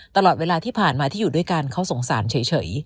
ตลอดเวลาที่ผ่านมาที่อยู่ด้วยกันเขาสงสารเฉย